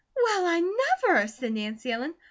"Well, I never!" said Nancy Ellen.